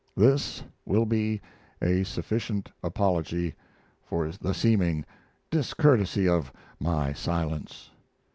This will be a sufficient apology for the seeming discourtesy of my silence.